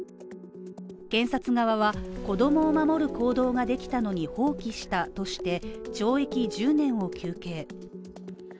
検察側は子供を守る行動ができたのに放棄したとして懲役１０年を求刑。